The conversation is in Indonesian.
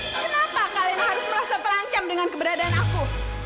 kenapa kak lena harus merasa terancam dengan keberadaan aku